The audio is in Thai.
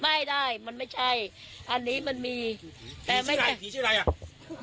ไม่ได้มันไม่ใช่อันนี้มันมีแต่ไม่ใช่ผีชื่ออะไรอ่ะ